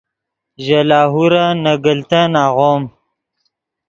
ژے لاہورن نے گلتن آغوم